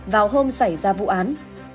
vào hôm xảy ra vụ án